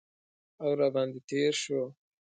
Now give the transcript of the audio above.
او را باندې تیر شو